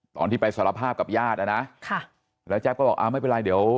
ตอนที่ไปสารภาพกับญาติอ่ะนะค่ะแล้วแจ๊บก็บอกอ่าไม่เป็นไรเดี๋ยว